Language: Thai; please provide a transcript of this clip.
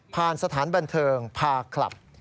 สถานบันเทิงพาคลับ